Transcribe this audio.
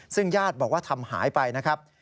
ซึ่งญาติบอกว่าทำหายไปนะครับ